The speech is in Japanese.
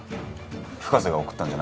深瀬が送ったんじゃ？